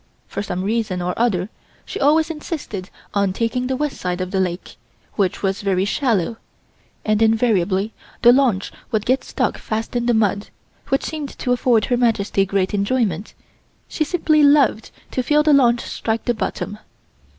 For some reason or other she always insisted on taking the west side of the lake, which was very shallow, and invariably the launch would get stuck fast in the mud, which seemed to afford Her Majesty great enjoyment; she simply loved to feel the launch strike the bottom.